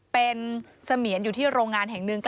เป็นเสมียนอยู่ที่โรงงานแห่งหนึ่ง